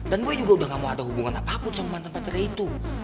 dan boy juga udah gak mau ada hubungan apapun sama mantan pacarnya itu